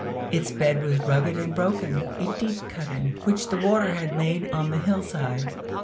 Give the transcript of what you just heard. Its bed was rugged and broken a deep cutting, which the water had made on the hill side.